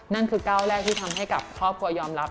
นั่นคือก้าวแรกที่ทำให้กับครอบครัวยอมรับ